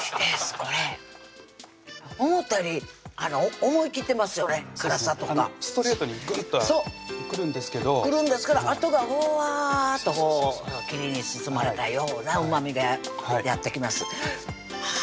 これ思ったより思い切ってますよね辛さとかストレートにぐっと来るんですけど来るんですけどあとがふわっとこう霧に包まれたようなうまみがやって来ますあぁ